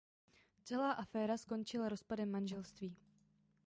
Celá aféra skončila rozpadem manželství.